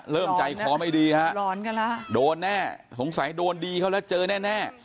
เริ่มใจขอไม่ดีโดนแน่สงสัยโดนดีเขาแล้วเจอแน่